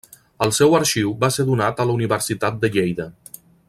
El seu arxiu va ser donat a la Universitat de Lleida.